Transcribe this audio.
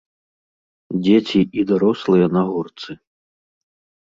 Дзеці і дарослыя на горцы.